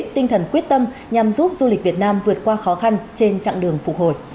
tinh thần quyết tâm nhằm giúp du lịch việt nam vượt qua khó khăn trên chặng đường phục hồi